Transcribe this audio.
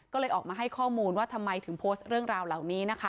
ก็เลยออกมาให้ข้อมูลว่าทำไมถึงโพสต์เรื่องราวเหล่านี้นะคะ